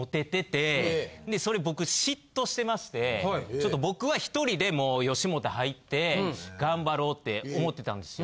ちょっと僕はひとりで吉本入って頑張ろうって思ってたんですよ。